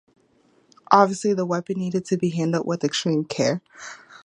Obviously, the weapon needed to be handled with extreme care.